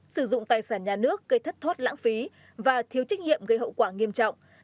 sử dụng tài sản nhà nước gây thất thoát lãng phí và thiếu trách nhiệm gây hậu quả nghiêm trọng